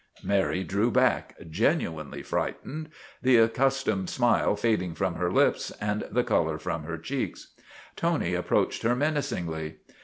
Mary drew back, genuinely frightened, the accus tomed smile fading from her lips and the color from her cheeks. Tony approached her menacingly.